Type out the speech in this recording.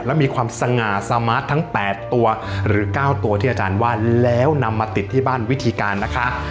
และมีความสง่าสมาร์ททั้ง๘ตัวหรือ๙ตัวที่อาจารย์ว่าแล้วนำมาติดที่บ้านวิธีการนะคะ